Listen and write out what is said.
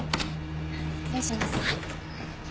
失礼します。